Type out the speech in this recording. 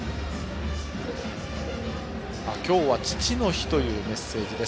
今日は父の日というメッセージです。